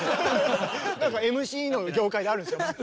何かＭＣの業界であるんですか？